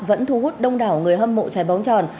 vẫn thu hút đông đảo người hâm mộ trái bóng tròn